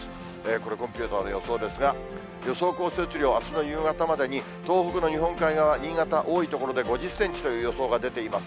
これ、コンピューターの予想ですが、予想降雪量、あすの夕方までに東北の日本海側、新潟、多い所で５０センチという予想が出ています。